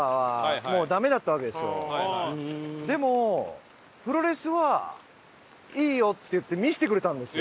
でもプロレスはいいよって言って見せてくれたんですよ。